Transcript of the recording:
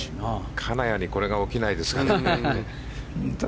金谷にこれが起きないですかね。